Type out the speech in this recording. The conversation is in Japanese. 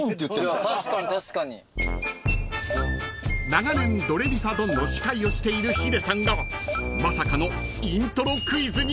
［長年『ドレミファドン！』の司会をしているヒデさんがまさかのイントロクイズに挑戦］